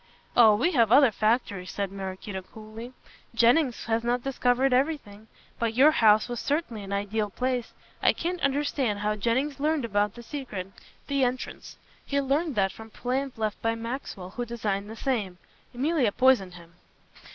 "Oh, we have other factories," said Maraquito coolly, "Jennings has not discovered everything. But your house was certainly an ideal place. I can't understand how Jennings learned about the secret " "The entrance. He learned that from plans left by Maxwell who designed the same. Emilia poisoned him."